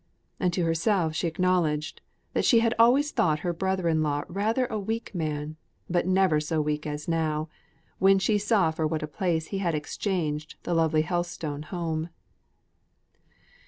And to herself she acknowledged, that she had always thought her brother in law rather a weak man, but never so weak as now, when she saw for what a place he had exchanged the lovely Helstone home.